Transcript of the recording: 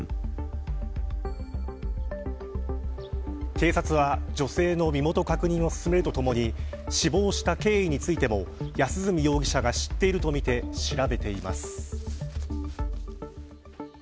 警察は女性の身元確認を進めるとともに死亡した経緯についても安栖容疑者が知っているとみて調べています。